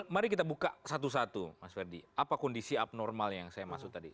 mari kita buka satu satu mas ferdi apa kondisi abnormal yang saya maksud tadi